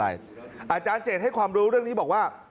อาจารย์เจตให้ความรู้เรื่องนี้บอกว่า